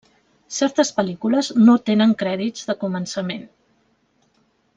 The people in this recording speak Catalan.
Certes pel·lícules no tenen crèdits de començament.